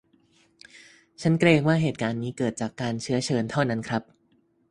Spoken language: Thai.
ฉันเกรงว่าเหตุการณ์นี้เกิดจากการเชื้อเชิญเท่านั้นครับ